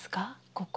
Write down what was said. ここ。